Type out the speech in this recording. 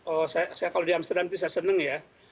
oh saya kalau di amsterdam itu saya senang ya